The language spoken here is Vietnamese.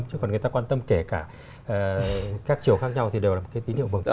chứ còn người ta quan tâm kể cả các chiều khác nhau thì đều là một cái tín hiệu mừng